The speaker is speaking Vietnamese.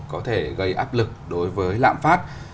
có thể gây áp lực đối với lạm phát